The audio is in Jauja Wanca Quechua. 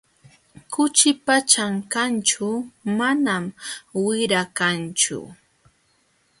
Kuchipa ćhankanćhu manam wira kanchu.